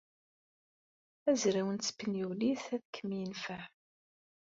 Azraw n tespenyulit ad kem-yenfeɛ.